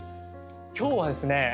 今日はですね